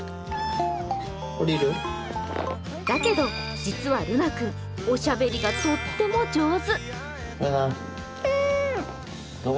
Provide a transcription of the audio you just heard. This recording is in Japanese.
だけど、実はルナ君おしゃべりがとっても上手。